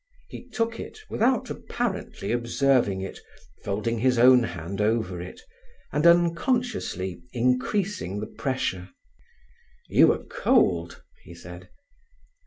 He took it without apparently observing it, folding his own hand over it, and unconsciously increasing the pressure. "You are cold," he said.